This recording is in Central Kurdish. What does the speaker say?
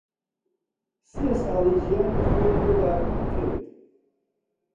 سی ساڵی ژیانی خۆی بۆ دابین کرد